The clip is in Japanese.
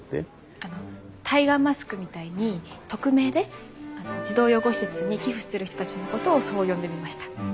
あのタイガーマスクみたいに匿名で児童養護施設に寄付してる人たちのことをそう呼んでみました。